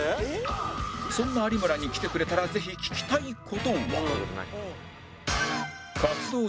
そんな有村に来てくれたらぜひ聞きたい事は